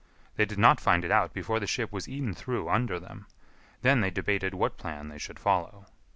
They did not find it out before the ship was eaten through under them; then they debated what plan they should follow.